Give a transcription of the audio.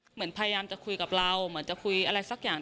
เหมือนพยายามจะคุยกับเราเหมือนจะคุยอะไรสักอย่าง